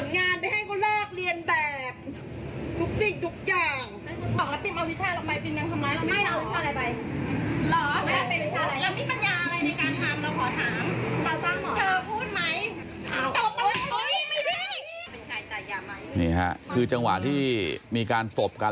นี่ค่ะคือจังหวะที่มีการตบกัน